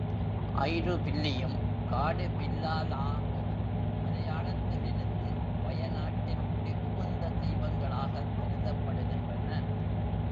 ஐருபில்லியும், காடுபில்லாலாவும் மலையாளத்திலிருந்து வயநாட்டில் குடிபுகுந்த தெய்வங்களாகக் கருதப்படுகின்றன.